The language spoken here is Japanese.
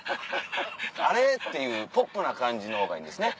「あれ？」っていうポップな感じのほうがいいんですね。